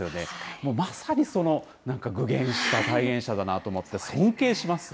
もうまさになんか具現した、体現者だなと思って、尊敬しますよ。